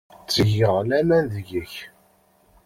Ttgeɣ laman deg-m.